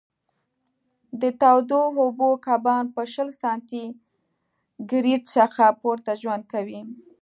د تودو اوبو کبان په شل سانتي ګرېد څخه پورته ژوند کوي.